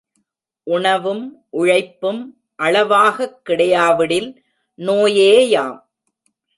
உணவும் உழைப்பும் அளவாகக் கிடையா விடில் நோயேயாம்.